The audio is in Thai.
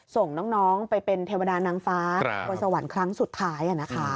ส่งน้องไปเป็นเทวดานางฟ้าบนสวรรค์ครั้งสุดท้าย